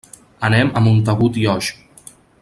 Anem a Montagut i Oix.